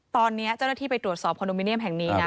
ตอนนี้เจ้าหน้าที่ไปตรวจสอบคอนโดมิเนียมแห่งนี้นะ